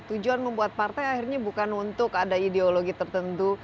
tujuan membuat partai akhirnya bukan untuk ada ideologi tertentu